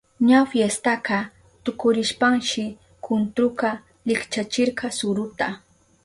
Ña fiestaka tukurishpanshi kuntruka likchachirka suruta.